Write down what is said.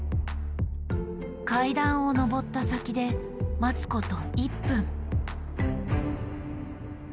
階段を上った先で待つこと１分。